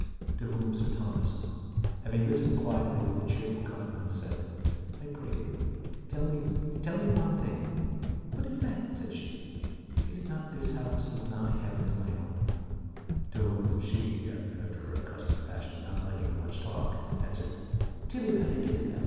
To whom Sir Thomas, having listened quietly with a cheerful countenance said, " I pray thee, tell me, tell me one thing." " What is that? " said she. " Is not this house as nigh heaven as mine own? " To whom she, after her accustomed fashion, not liking much talk, answered, "Tilly vally, tilly vally!"